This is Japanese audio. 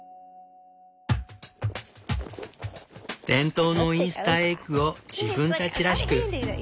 伝統のイースターエッグを自分たちらしく。